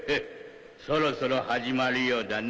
そろそろ始まるようだな。